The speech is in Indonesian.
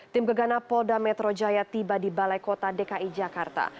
tim gegana polda metro jaya tiba di balai kota dki jakarta